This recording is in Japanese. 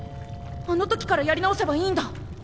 あの時からやり直せばいいんだ！